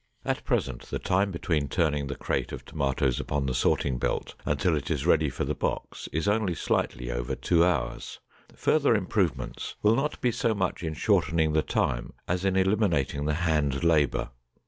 At present the time between turning the crate of tomatoes upon the sorting belt until it is ready for the box is only slightly over two hours. Further improvement will not be so much in shortening the time as in eliminating the hand labor.